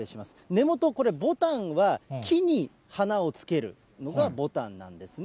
根元、これ、ぼたんは木に花をつけるのがぼたんなんですね。